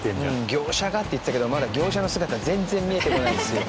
業者がって言ってたけどまだ業者の姿全然見えてこないですよ。